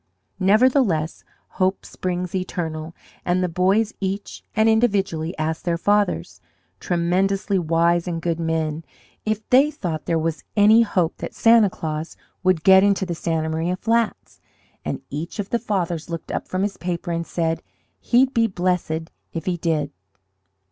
Nevertheless, hope springs eternal, and the boys each and individually asked their fathers tremendously wise and good men if they thought there was any hope that Santa Claus would get into the Santa Maria flats, and each of the fathers looked up from his paper and said he'd be blessed if he did!